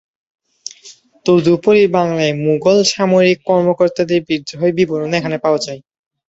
তদুপরি বাংলায় মুগল সামরিক কর্মকর্তাদের বিদ্রোহের বিবরণও এখানে পাওয়া যায়।